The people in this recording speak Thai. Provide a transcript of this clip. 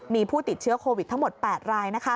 มีผู้ติดเชื้อโควิดทั้งหมด๘ราย